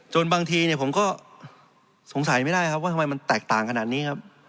จนบางทีผมก็สงสัยไม่ได้ว่าทำไมมันแตกต่างขนาดนี้ครับ